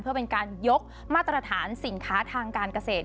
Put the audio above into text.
เพื่อเป็นการยกมาตรฐานสินค้าทางการเกษตร